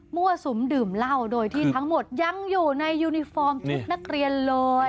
สุมดื่มเหล้าโดยที่ทั้งหมดยังอยู่ในยูนิฟอร์มชุดนักเรียนเลย